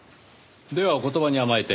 ではお言葉に甘えて。